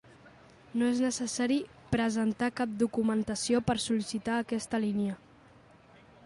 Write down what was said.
No és necessari presentar cap documentació per sol·licitar aquesta línia.